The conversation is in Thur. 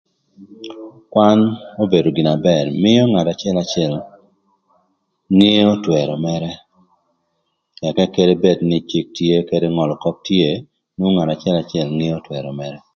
Kwan obedo gin na bër mïö ngat acëlacël ngeo twërö mërë. Ëka kede bed cïk tye, kede bed ngölö köp tye nwongo ngat acëlacël ngeo twërö mërë.